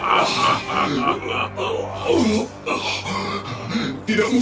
kau tak mau